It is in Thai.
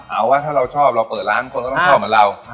เอาว่าถ้าเราชอบเราเปิดร้านคนก็ต้องชอบเหมือนเรา